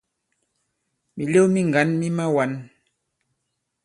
Mìlew mi ŋgǎn mi mawān.